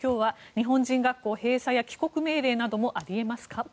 日本人学校閉鎖や帰国命令などもあり得ますか。